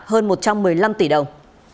hơn một trăm một mươi năm tỷ đồng